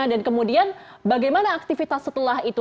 dan kemudian bagaimana aktivitas setelah itu